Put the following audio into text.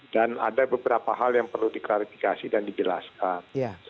dan ada beberapa hal yang perlu diklarifikasi dan dijelaskan